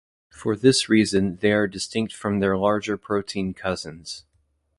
For this reason, they are distinct from their larger protein cousins.